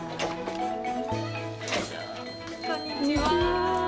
こんにちは。